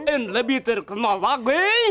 en lebih terkenal mbak be